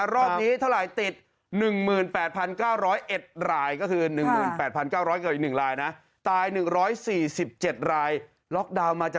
รอบนี้เท่าไหร่ติด๑๘๙๐๑ราย